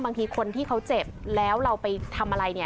บางทีคนที่เขาเจ็บแล้วเราไปทำอะไรเนี่ย